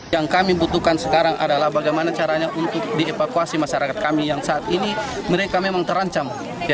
yang kami butuhkan sekarang adalah bagaimana caranya untuk dievakuasi masyarakat kami yang saat ini mereka memang terancam